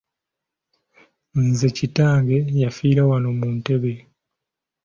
Nze kitange yafiira wano mu ntebe